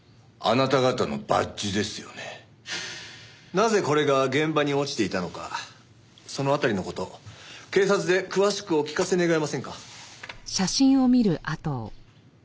なぜこれが現場に落ちていたのかそのあたりの事警察で詳しくお聞かせ願えませんか？